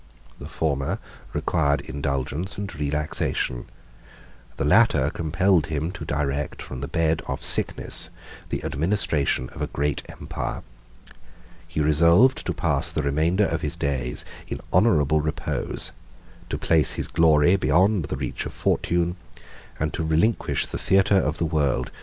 The former required indulgence and relaxation, the latter compelled him to direct, from the bed of sickness, the administration of a great empire. He resolved to pass the remainder of his days in honorable repose, to place his glory beyond the reach of fortune, and to relinquish the theatre of the world to his younger and more active associates.